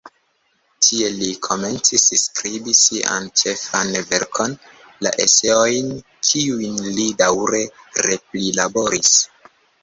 Tie li komencis skribi sian ĉefan verkon, la "Eseojn", kiujn li daŭre re-prilaboris.